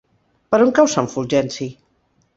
Per on cau Sant Fulgenci?